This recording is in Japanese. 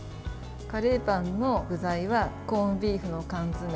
カレーパンの具材はコンビーフの缶詰